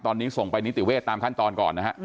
ตอนนี้ส่งไปนิติเวศตามขั้นตอนก่อนนะฮะ